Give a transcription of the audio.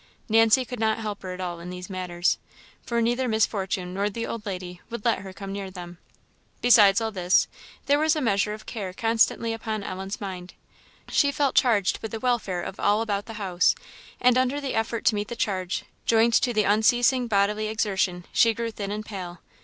Nancy could not help her at all in these matters, for neither Miss Fortune nor the old lady would let her come near them. Besides all this, there was a measure of care constantly upon Ellen's mind; she felt charged with the welfare of all about the house; and under the effort to meet the charge, joined to the unceasing bodily exertion, she grew thin and pale.